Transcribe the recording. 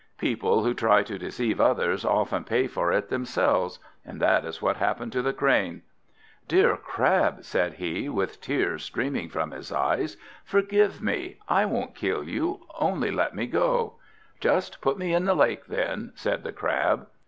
People who try to deceive others often pay for it themselves; and that is what happened to the Crane. "Dear Crab!" said he, with tears streaming from his eyes, "forgive me! I won't kill you, only let me go!" "Just put me in the lake, then," said the Crab.